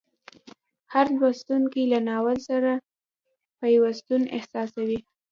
هر لوستونکی له ناول سره پیوستون احساسوي.